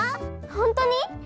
ほんとに？